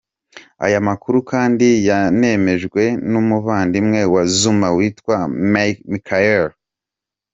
Aya makuru kandi yanemejwe n’umuvandimwe wa Zuma witwa Michael